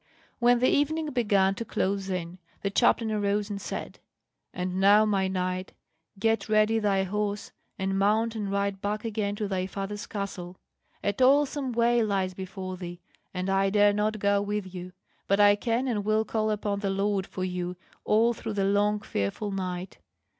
When the evening began to close in, the chaplain arose and said: "And now, my knight, get ready thy horse, and mount and ride back again to thy father's castle. A toilsome way lies before thee, and I dare not go with you. But I can and will call upon the Lord for you all through the long fearful night.